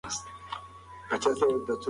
مجسمه په المارۍ کې کېږدئ.